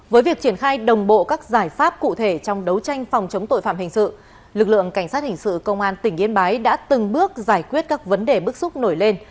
với việc triển khai đồng bộ các giải pháp cụ thể trong đấu tranh phòng chống tội phạm hình sự lực lượng cảnh sát hình sự công an tỉnh yên bái đã từng bước giải quyết các vấn đề bức xúc nổi lên